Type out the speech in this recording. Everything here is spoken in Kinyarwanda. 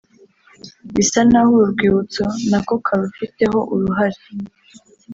bisa n’aho uru rwibutso na ko karufiteho uruhare